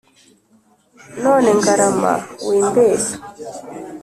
None Ngarama wimbeshya